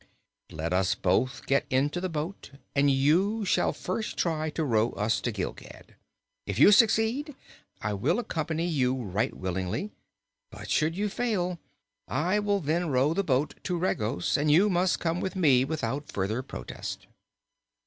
"Let us both get into the boat, and you shall first try to row us to Gilgad. If you succeed, I will accompany you right willingly; but should you fail, I will then row the boat to Regos, and you must come with me without further protest."